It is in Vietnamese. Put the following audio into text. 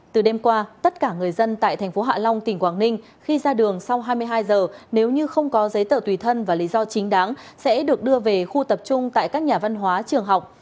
từ đêm qua tất cả người dân tại thành phố hạ long tỉnh quảng ninh khi ra đường sau hai mươi hai giờ nếu như không có giấy tờ tùy thân và lý do chính đáng sẽ được đưa về khu tập trung tại các nhà văn hóa trường học